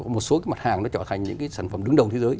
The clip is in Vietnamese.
một số cái mặt hàng nó trở thành những cái sản phẩm đứng đầu thế giới